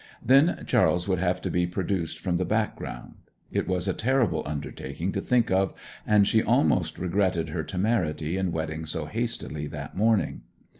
Then Charles would have to be produced from the background. It was a terrible undertaking to think of, and she almost regretted her temerity in wedding so hastily that morning.